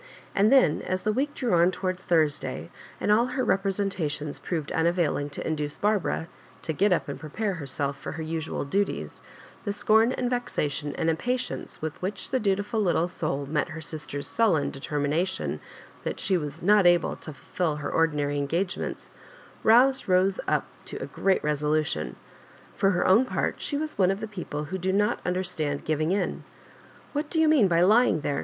And then as the week drew on towards Thursday, and all her representations proved unavailing to induce Barbara to get up and prepare herseS* for her usual duties, the scorn and vexation and impatience with which the dutiful little soul met her sister's sullen determi nation that she was not able" to'fulfil her ordi nary engagements, roused Bose up to a great resolution. For her own part she was one of the people who do not understand giving in. " What do you mean by lying there